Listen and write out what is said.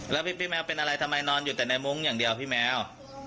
แล้วพี่แมวเป็นอะไรทำไมนอนอยู่แต่ในมุ้งอย่างเดียวพี่แมว